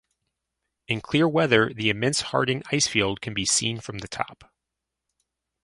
In clear weather the immense Harding Icefield can be seen from the top.